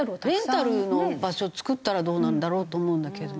レンタルの場所を作ったらどうなんだろうと思うんだけれども。